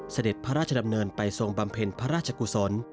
เสด็จพระราชดำเนินไปทรงบำเพ็ญพระราชกุศล